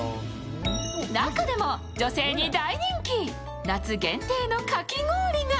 中でも女性に大人気、夏限定のかき氷が。